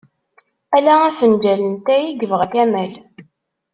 Ala afenǧal n ttay i yebɣa Kamal.